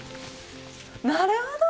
なるほど！